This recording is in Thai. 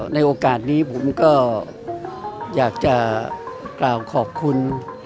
ในโอกาสนี้ผมก็อยากจะกล่าวขอบคุณ